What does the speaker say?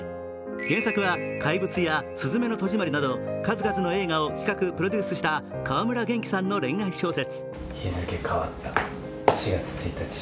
原作は「怪物」や「すずめの戸締まり」など数々の映画を企画・プロデュースした川村元気さんの恋愛小説。